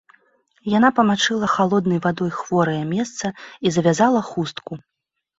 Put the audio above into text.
Яна памачыла халоднай вадой хворае месца і завязала хустку.